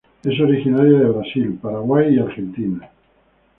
Es originaria de Brasil, Paraguay y Argentina.